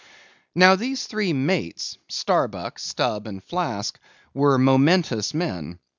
Now these three mates—Starbuck, Stubb, and Flask, were momentous men.